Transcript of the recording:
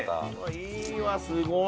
いいわすごい！